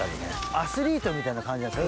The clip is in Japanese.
アスリートみたいな感じ？